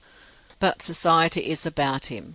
But Society is about him.